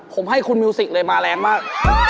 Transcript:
ผมให้คุณมิวสิกเลยมาแรงมาก